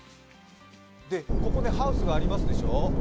ここハウスがありますでしょ？